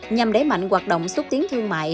nhằm đẩy mạnh hoạt động xúc tiến thương mại